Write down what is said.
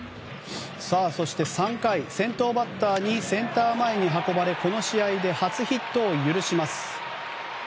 そして３回先頭バッターに運ばれこの試合初ヒットを許します。